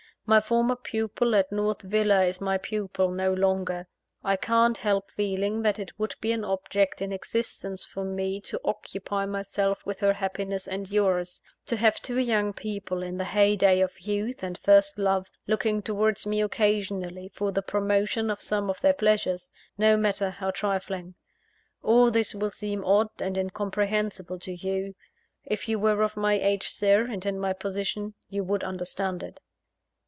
My former pupil at North Villa is my pupil no longer. I can't help feeling that it would be an object in existence for me to occupy myself with her happiness and yours; to have two young people, in the heyday of youth and first love, looking towards me occasionally for the promotion of some of their pleasures no matter how trifling. All this will seem odd and incomprehensible to you. If you were of my age, Sir, and in my position, you would understand it."